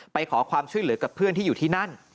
ไปขอความช่วยเหลือกับเพื่อนที่อยู่ที่นั่น